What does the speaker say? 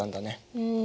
うん。